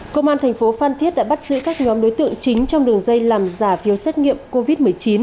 công an thành phố phan thiết đã bắt giữ các nhóm đối tượng chính trong đường dây làm giả phiếu xét nghiệm covid một mươi chín